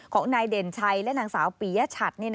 ของนายเด่นชัยและนางสาวปียชัด